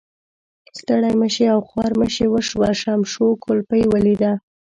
ستړي مشي او خوارمشي وشوه، شمشو کولپۍ ولیده.